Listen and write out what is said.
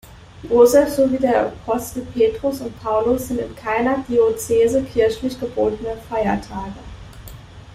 Josef sowie der Apostel Petrus und Paulus sind in keiner Diözese kirchlich gebotene Feiertage.